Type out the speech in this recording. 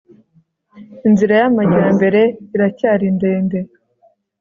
inzira y'amajyambere iracyari ndende